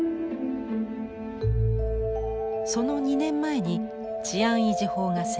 その２年前に治安維持法が制定。